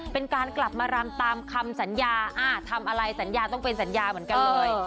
เป็นการกลับมารำตามคำสัญญาทำอะไรสัญญาต้องเป็นสัญญาเหมือนกันเลย